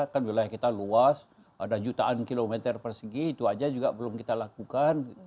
kan wilayah kita luas ada jutaan kilometer persegi itu aja juga belum kita lakukan